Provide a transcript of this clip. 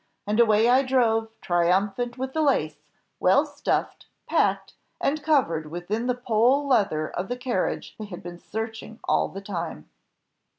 and away I drove triumphant with the lace, well stuffed, packed, and covered within the pole leather of the carriage they had been searching all the time."